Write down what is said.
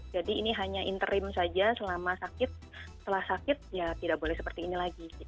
jadi ini hanya interim saja selama sakit setelah sakit ya tidak boleh seperti ini lagi